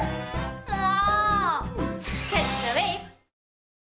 もう！